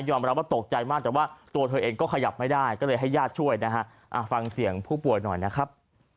รับว่าตกใจมากแต่ว่าตัวเธอเองก็ขยับไม่ได้ก็เลยให้ญาติช่วยนะฮะฟังเสียงผู้ป่วยหน่อยนะครับ